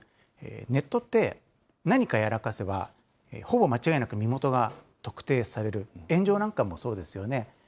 ネットって、何かやらかせば、ほぼ間違いなく身元が特定される、炎上なんかもそうですよね。